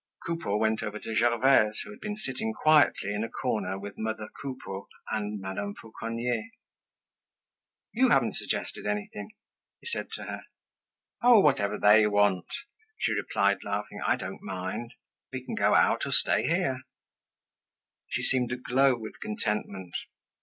Coupeau went over to Gervaise, who had been sitting quietly in a corner with mother Coupeau and Madame Fauconnier. "You haven't suggested anything," he said to her. "Oh! Whatever they want," she replied, laughing. "I don't mind. We can go out or stay here." She seemed aglow with contentment.